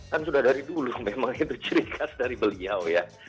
kan sudah dari dulu memang itu ciri khas dari beliau ya